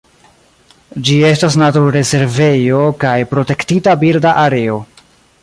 Ĝi estas naturrezervejo kaj Protektita birda areo.